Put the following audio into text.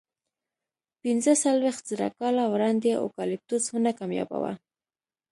پینځهڅلوېښت زره کاله وړاندې اوکالیپتوس ونه کمیابه وه.